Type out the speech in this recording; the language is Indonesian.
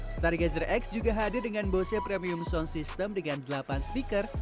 stargazer x juga hadir dengan bose premium sound system dengan delapan speaker